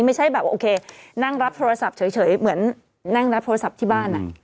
ไม่ใช่แบบโอเคนั่งรับโทรศัพท์เฉยเหมือนนั่งรับโทรศัพท์ที่บ้าน